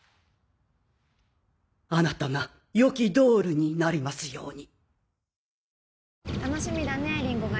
あなたが良きドールになりますように。